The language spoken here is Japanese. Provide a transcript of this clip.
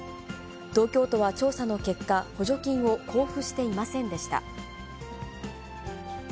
東京都は調査の結果、補助金を交付していませんでした。